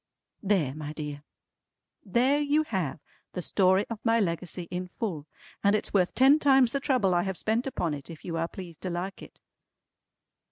There my dear! There you have the story of my Legacy in full, and it's worth ten times the trouble I have spent upon it if you are pleased to like it.